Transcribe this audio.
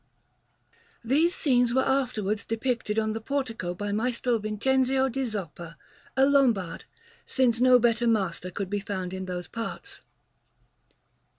These scenes were afterwards depicted on the portico by Maestro Vincenzio di Zoppa, a Lombard, since no better master could be found in those parts.